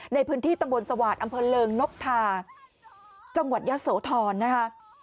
ในพื้นที่ตำบลสวาสตร์อำเภอเริงนกทาจังหวัดยะโสธรนะคะ